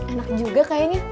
enak juga kayaknya